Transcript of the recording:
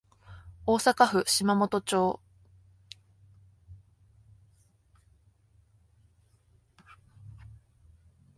大阪府島本町